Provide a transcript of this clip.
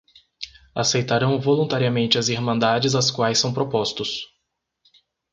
Aceitarão voluntariamente as irmandades às quais são propostos.